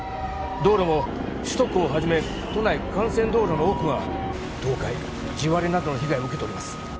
道路も首都高をはじめ都内幹線道路の多くは倒壊地割れなどの被害を受けております